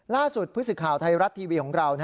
ล่าสุดพฤศิษฐาไทยรัตน์ทีวีของเรา